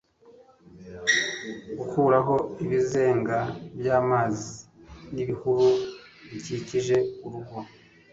gukuraho ibizenga by'amazi n'ibihuru bikikije urugo